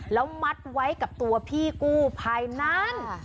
แล้วมัดไว้กับตัวพี่กู้ภายนั้น